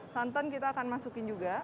santan kita akan masukin juga